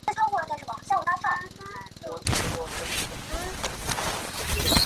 佐孝连贝斯是甚么也没考虑就接受提案买下贝斯。